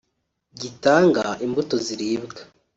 gitanga imbuto ziribwa